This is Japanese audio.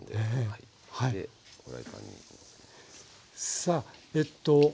さあえっと